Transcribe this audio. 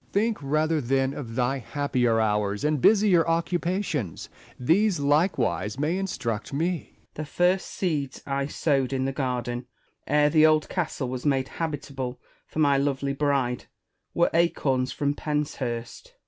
Essex. Think rather, then, of thy happier hours and busier occupations ; these likewise may instruct me. Spenser. The first seeds I sowed in the garden, ere the old castle was made habitable for my lovely bride, were acorns from Penshurst.